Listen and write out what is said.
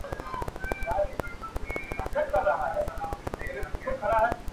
لمن كي مي د سپينو ملغلرو كور ودان دى~